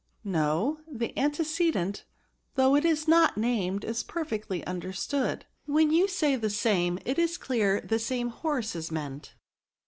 " No; the antecedent, though it is not named, is perfectly understood; when you say the same, it is clear the same horse is meant."